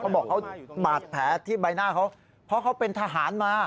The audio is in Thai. บอกเขาบาดแผลที่ใบหน้าเขาเพราะเขาเป็นทหารมา